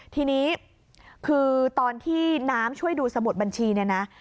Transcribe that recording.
ทีนี้คือตอนที่น้ำช่วยดูสมุดบัญชีเนี่ยนะ